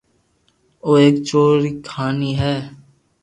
او ايڪ چور ري ڪياني ھي